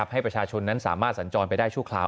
ให้ประชาชนนั้นสามารถสัญจรไปได้ชั่วคราว